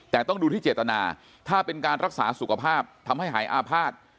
แต่ต้องดูที่เจตนาถ้าเป็นการรักษาสุขภาพทำให้หายอาภาษณ์